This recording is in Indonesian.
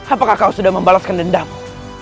apakah kau sudah membalaskan dendammu